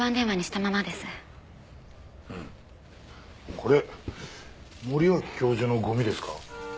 これ森脇教授のゴミですか？